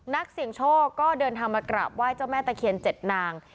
นักเสี่ยงโชคก็เดินทางมากราบไหว้เจ้าแม่ตะเคียน๗นาง